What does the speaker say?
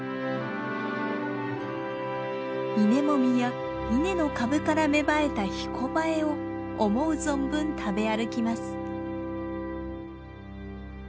稲もみや稲の株から芽生えたヒコバエを思う存分食べ歩きます。